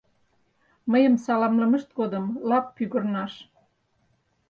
— Мыйым саламлымышт годым лап пӱгырнаш.